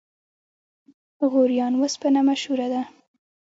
غوریان وسپنه مشهوره ده؟